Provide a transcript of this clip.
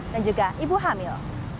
dan juga ibu hamil